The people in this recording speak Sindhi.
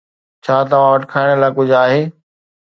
ڇا توهان وٽ کائڻ لاءِ ڪجهه آهي؟